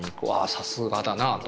さすがだなと。